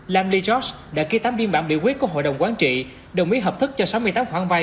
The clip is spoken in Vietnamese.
lam lee george đã ký tám biên bản biểu quyết của hội đồng quán trị đồng ý hợp thức cho sáu mươi tám khoản vay